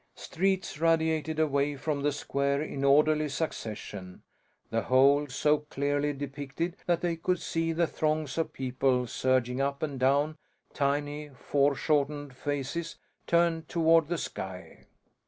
Streets radiated away from the square in orderly succession, the whole so clearly depicted that they could see the throngs of people surging up and down, tiny foreshortened faces turned toward the sky.